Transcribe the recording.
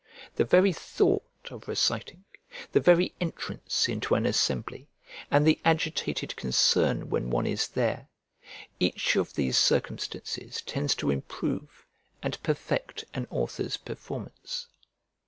The very thought of reciting, the very entrance into an assembly, and the agitated concern when one is there; each of these circumstances tends to improve and perfect an author's performance.